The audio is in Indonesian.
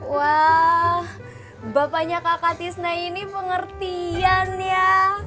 wah bapaknya kakak tisna ini pengertian ya